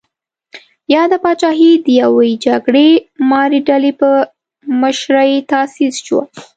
یاده پاچاهي د یوې جګړه مارې ډلې په مشرۍ تاسیس شوه.